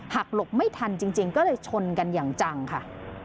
หลบไม่ทันจริงก็เลยชนกันอย่างจังค่ะ